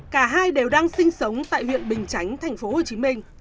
cả hai đều đang sinh sống tại huyện bình chánh tp hcm